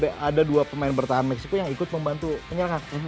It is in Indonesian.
ada dua pemain bertahan meksiko yang ikut membantu menyerang